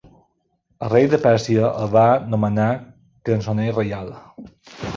El rei de Pèrsia el va nomenar cançoner reial.